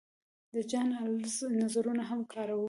د جان رالز نظرونه هم کاروو.